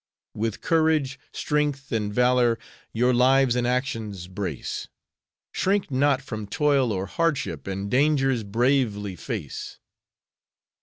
With courage, strength, and valor Your lives and actions brace; Shrink not from toil or hardship, And dangers bravely face.